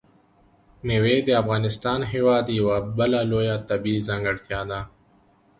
مېوې د افغانستان هېواد یوه بله لویه طبیعي ځانګړتیا ده.